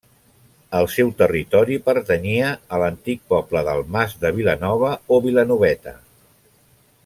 El seu territori pertanyia a l'antic poble del Mas de Vilanova o Vilanoveta.